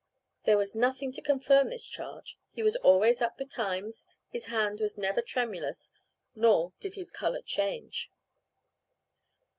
There was nothing to confirm this charge; he was always up betimes, his hand was never tremulous, nor did his colour change.